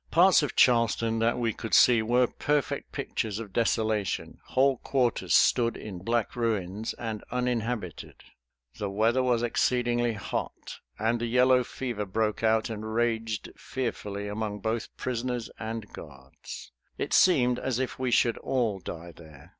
Parts of Charleston that we could see were perfect pictures of desolation; whole quarters stood in black ruins and uninhabited. The weather was exceedingly hot, and the yellow fever broke out and raged fearfully among both prisoners and guards. It seemed as if we should all die there.